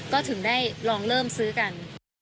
ก็ถึงได้ลองเริ่มซื้อกัน